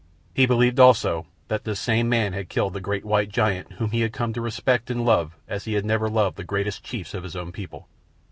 He believed also that this same man had killed the great white giant whom he had come to respect and love as he had never loved the greatest chiefs of his own people.